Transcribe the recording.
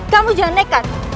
kamu jangan nekat